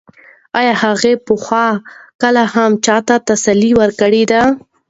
ایا هغې پخوا کله هم چا ته تسلي ورکړې ده؟